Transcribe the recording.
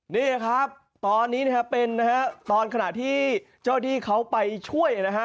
นี่ครับตอนนี้นะครับเป็นนะฮะตอนขณะที่เจ้าที่เขาไปช่วยนะฮะ